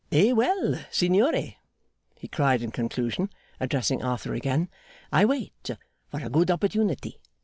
'Eh well, Signore!' he cried in conclusion, addressing Arthur again. 'I waited for a good opportunity.